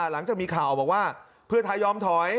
หลังจากมีข่าวบอกว่าเพื่อไทยยอมถอย